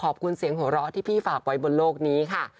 เสียงหัวเราะที่พี่ฝากไว้บนโลกนี้ค่ะ